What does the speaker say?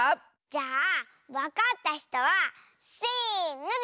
じゃあわかったひとはせのでいおう。